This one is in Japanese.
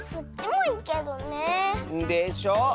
でしょ？